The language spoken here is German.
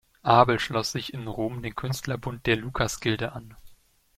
Abel schloss sich in Rom dem Künstlerbund der Lukasgilde an.